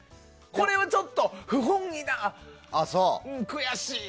これはちょっと不本意な悔しい。